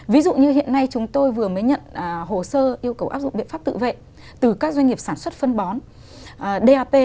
ví dụ như hiện nay chúng tôi vừa mới nhận hồ sơ yêu cầu áp dụng biện pháp tự vệ từ các doanh nghiệp sản xuất phân